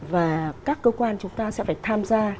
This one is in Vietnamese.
và các cơ quan chúng ta sẽ phải tham gia